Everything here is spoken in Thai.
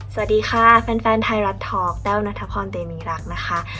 สวัสดีค่ะแฟนไทยรัฐท็อกแต้วนัทพรเตมีรักนะคะ